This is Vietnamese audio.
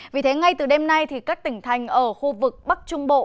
vì thế ngay từ đêm nay các tỉnh thành ở khu vực bắc trung bộ